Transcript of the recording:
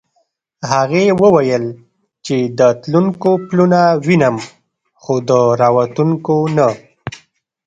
هغې وویل چې د تلونکو پلونه وینم خو د راوتونکو نه.